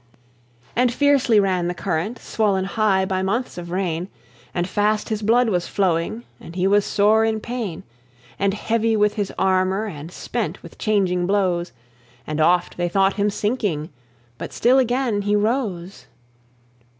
And fiercely ran the current, Swollen high by months of rain; And fast his blood was flowing, And he was sore in pain, And heavy with his armour, And spent with changing blows: And oft they thought him sinking, But still again he rose.